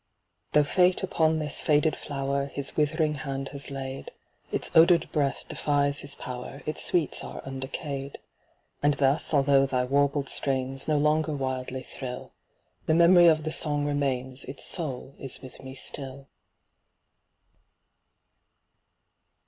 Though fate upon this faded flower His withering hand has laid, Its odour'd breath defies his power, Its sweets are undecayed. And thus, although thy warbled strains No longer wildly thrill, The memory of the song remains, Its soul is with me still.